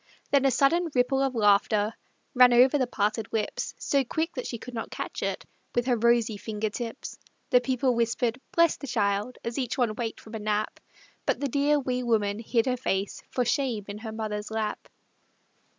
Then a sudden ripple of laughter Ran over the parted lips So quick that she could not catch it With her rosy finger tips. The people whispered "Bless the child," As each one waked from a nap, But the dear, wee woman hid her face For shame in her mother's lap.